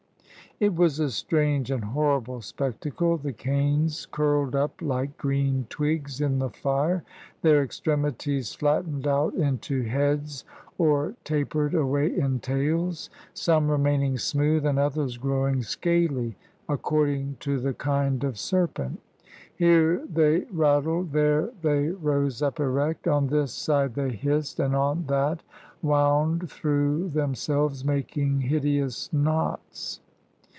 It was a strange and horrible spectacle: the canes curled up like green twigs in the fire; their extremities flattened out into heads, or tapered away in tails, — some remaining smooth, and others growing scaly, according to the kind of serpent. Here they rattled, there they rose up erect; on this side they hissed, and on that wound through themselves, making hideous knots.